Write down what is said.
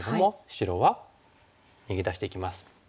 白は逃げ出していきます。